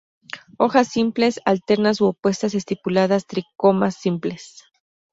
Hojas simples, alternas u opuestas, estipuladas, tricomas simples.